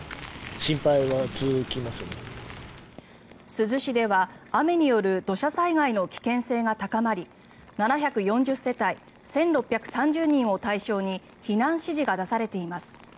珠洲市では雨による土砂災害の危険性が高まり７４０世帯１６３０人を対象に避難指示が出されています。